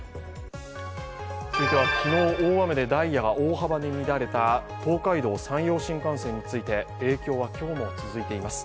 続いては昨日、大雨でダイヤが大幅に乱れた東海道・山陽新幹線について影響は今日も続いています。